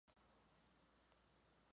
Leonardo Tamayo era el segundo al mando.